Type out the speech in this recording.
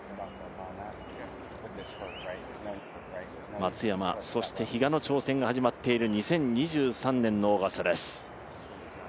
松山、そして比嘉の挑戦が始まっている２０２３年のオーガスタです。